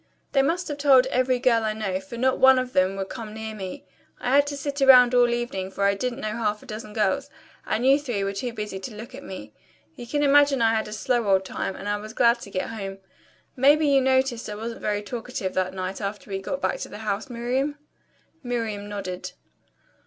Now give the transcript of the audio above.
They must have told every girl I know, for not one of them would come near me. I had to sit around all evening, for I didn't know half a dozen girls, and you three were too busy to look at me. You can imagine I had a slow old time, and I was glad to get home. Maybe you noticed I wasn't very talkative that night after we got back to the house, Miriam?" Miriam nodded.